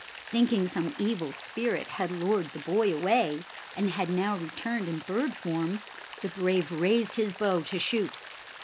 Thinking some evil spirit had lured the boy away, and had now returned in bird form, the brave raised his bow to shoot.